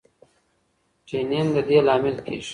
ټینین د دې لامل کېږي.